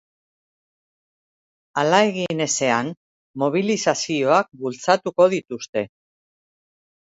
Hala egin ezean, mobilizazioak bultzatuko dituzte.